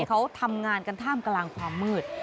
เขาทำงานกันท่ามกลางความมืด